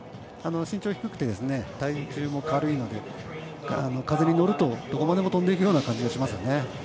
身長低くて体重も軽いので風に乗ると、どこまでも飛んでいくような感じがしますよね。